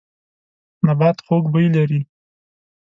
نبات خوږ بوی لري.